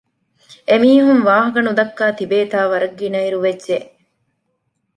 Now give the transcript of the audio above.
އެމީހުން ވާހަކަ ނުދައްކާ ތިބޭތާ ވަރަށް ގިނައިރު ވެއްޖެ